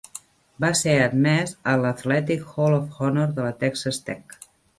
Va ser admès a l'Athletic Hall of Honor de la Texas Tech.